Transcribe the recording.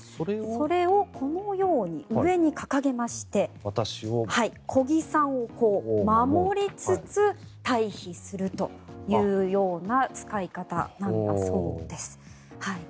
それをこのように上に掲げまして小木さんを守りつつ退避するというような使い方なんだそうです。